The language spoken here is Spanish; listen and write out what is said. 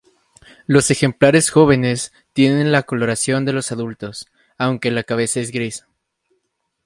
Los ejemplares jóvenes tienen la coloración de los adultos, aunque la cabeza es gris.